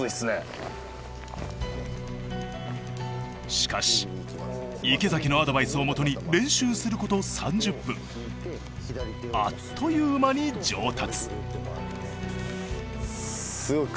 しかし池崎のアドバイスをもとに練習すること３０分あっという間に上達。